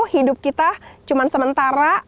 hidup kita cuman sementara